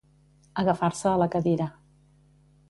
Agafar-se a la cadira.